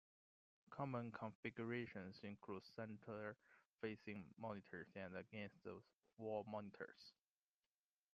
Common configurations include center-facing monitors and against the wall monitors.